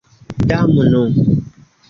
Damnu!